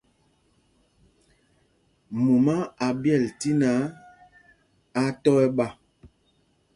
Mumá a ɓyɛl tí náǎ, á á tɔ ɛɓá.